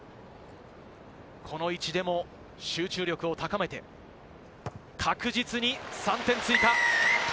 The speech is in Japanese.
この位置でも集中力を高めて、確実に３点を追加。